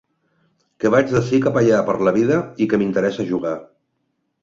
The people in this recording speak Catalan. Que vaig d'ací cap allà per la vida i que m'interessa jugar.